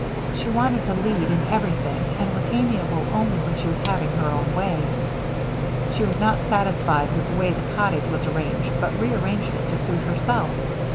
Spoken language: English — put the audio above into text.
She wanted to lead in everything and was amiable only when she was having her own way. She was not satisfied with the way the cottage was arranged but rearranged it to suit herself.